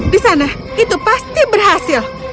di sana itu pasti berhasil